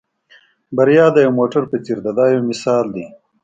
بریا د یو موټر په څېر ده دا یو مثال دی.